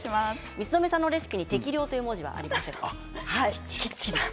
満留さんのレシピに適量という文字はありません。